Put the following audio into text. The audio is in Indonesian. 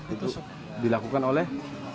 itu dilakukan oleh